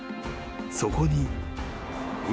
［そこに運